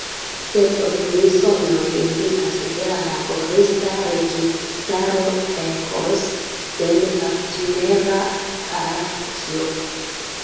Sed opinisondoj indikas, ke la Laborista Registaro venkos sen partnera partio.